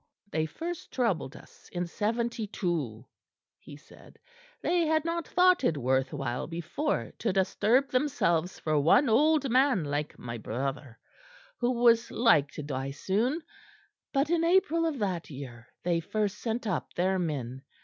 "They first troubled us in '72," he said; "they had not thought it worth while before to disturb themselves for one old man like my brother, who was like to die soon; but in April of that year they first sent up their men.